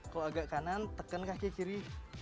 kalau agak kanan tekan kaki kiri